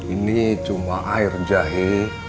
ini cuma air jahe